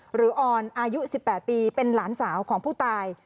ออนอายุ๑๘ปีเป็นหลานสาวของผู้ตาย